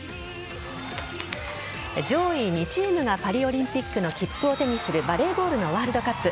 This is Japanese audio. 上位２チームがパリオリンピックの切符を手にするバレーボールのワールドカップ。